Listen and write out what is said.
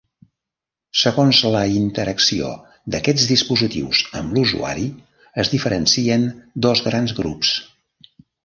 Segons la interacció d’aquests dispositius amb l’usuari, es diferencien dos grans grups.